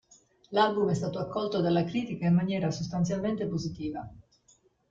L'album è stato accolto dalla critica in maniera sostanzialmente positiva.